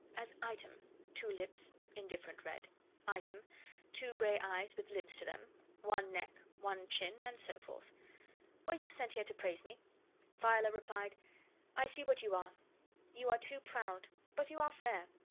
As, item, two lips, indifferent red; item, two gray eyes with lids to them; one neck; one chin; and so forth. Were you sent here to praise me?" Viola replied, "I see what you are: you are too proud, but you are fair.